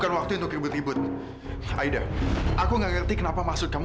ana yang bisa kukhartifkan madu gaut kamu